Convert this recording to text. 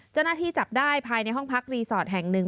เจ้าหน้าที่จับได้ภายในห้องพักรีสอร์ตแห่งหนึ่ง